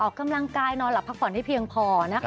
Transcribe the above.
ออกกำลังกายนอนหลับพักผ่อนให้เพียงพอนะคะ